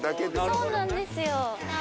そうなんですよ。